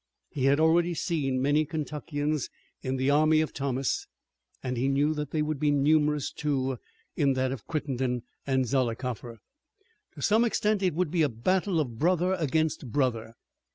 He had already seen many Kentuckians in the army of Thomas and he knew that they would be numerous, too, in that of Crittenden and Zollicoffer. To some extent it would be a battle of brother against brother.